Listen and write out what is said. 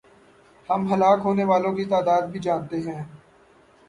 ہم ہلاک ہونے والوں کی تعداد بھی جانتے ہیں۔